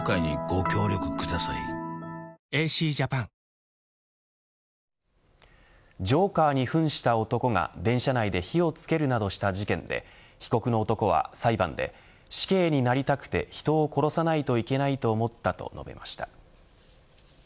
ドランサントリー「翠」ジョーカーにふんした男が電車内で火をつけるなどした事件で被告の男は裁判で死刑になりたくて人を殺さないといけないと思ったと述べました。